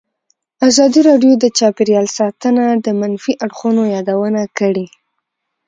ازادي راډیو د چاپیریال ساتنه د منفي اړخونو یادونه کړې.